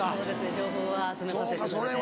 情報は集めさせていただいて。